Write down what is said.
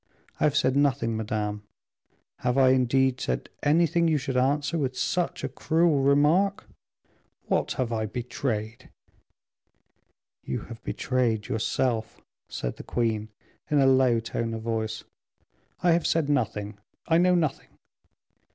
I have said nothing, madame. Have I, indeed, said anything you should answer with such a cruel remark? What have I betrayed?" "You have betrayed yourself," said the queen, in a low tone of voice. "I have said nothing, I know nothing."